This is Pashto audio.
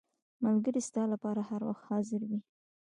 • ملګری ستا لپاره هر وخت حاضر وي.